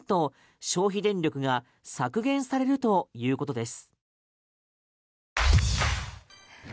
消費電力が削減されるということです。